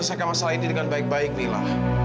supaya kita menjelaskan masalah ini dengan baik baik mila